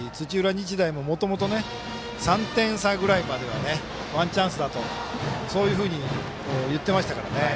日大ももともと３点差ぐらいまではワンチャンスだとそういうふうに言ってましたから。